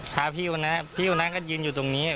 พาพี่วันนั้นพี่คนนั้นก็ยืนอยู่ตรงนี้